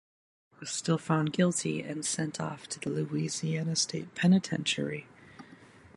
His client was still found guilty and sent off to the Louisiana State Penitentiary.